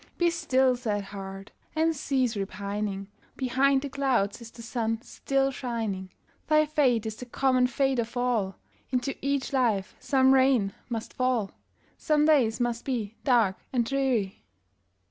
Be still, sad heart! and cease repining; Behind the clouds is the sun still shining; Thy fate is the common fate of all, Into each life some rain must fall, Some days must be dark and dreary.